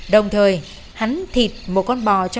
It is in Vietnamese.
đã tìm ai tại wor